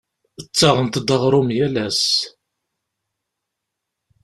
Ttaɣent-d aɣrum yal ass.